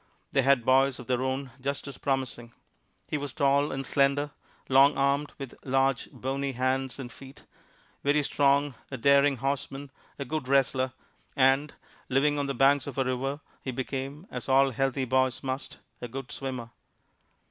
They had boys of their own just as promising. He was tall and slender, long armed, with large, bony hands and feet, very strong, a daring horseman, a good wrestler, and, living on the banks of a river, he became, as all healthy boys must, a good swimmer.